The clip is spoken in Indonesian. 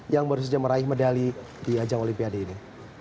yang baru saja meraih medali di ajang olimpiade ini